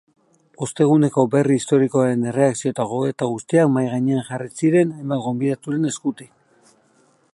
Osteguneko berri historikoaren erreakzio eta gogoeta guztiak mahai-gainean jarri ziren hainbat gonbidaturen eskutik.